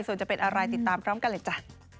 ส่วนจะเป็นอะไรติดตามพร้อมกันเลยจ้ะ